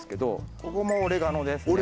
ここもオレガノですね。